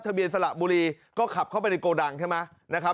ทะเบียนสละบุรีก็ขับเข้าไปในโกดังใช่ไหม